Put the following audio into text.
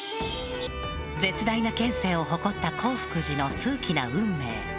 絶大なけんせいを誇った興福寺の数奇な運命。